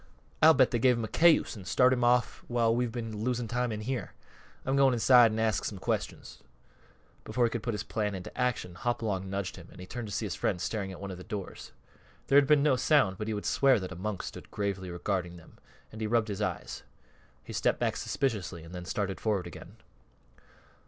I'll bet they gave him a cayuse an' started him off while we've been losing time in here. I'm going inside an' ask some questions." Before he could put his plan into execution, Hopalong nudged him and he turned to see his friend staring at one of the doors. There had been no sound, but he would swear that a monk stood gravely regarding them, and he rubbed his eyes. He stepped back suspiciously and then started forward again.